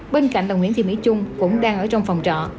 bên cạnh đồng nguyễn thị mỹ trung cũng đang ở trong phòng trọ